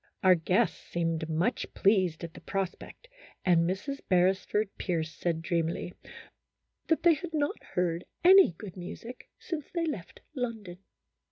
Our guests seemed much pleased at the prospect, and Mrs. Beresford Pierce said, dreamily, " that they had not heard any good music since they left London."